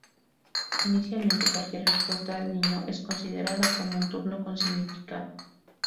Inicialmente, cualquier respuesta del niño es considerada como un turno con significado.